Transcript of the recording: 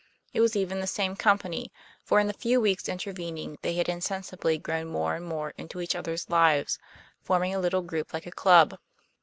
It was even the same company, for in the few weeks intervening they had insensibly grown more and more into each other's lives, forming a little group like a club.